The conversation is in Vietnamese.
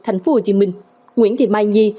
tp hcm nguyễn thị mai nhi